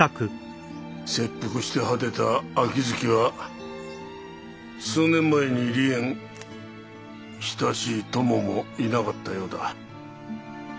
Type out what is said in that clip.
切腹して果てた秋月は数年前に離縁親しい友もいなかったようだ。